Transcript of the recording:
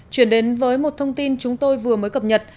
chuyển đến với một thông tin chúng tôi vừa mới cập nhật